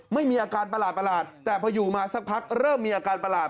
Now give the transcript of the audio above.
ไม่มีอาการประหลาดแต่พออยู่มาสักพักเริ่มมีอาการประหลาด